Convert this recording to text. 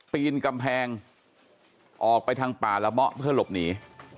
ปีนกำแพงออกไปทางป่าละเมาะเพื่อหลบหนี